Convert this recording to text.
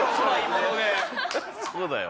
そうだよ。